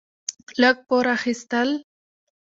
لږ پور اخيستل: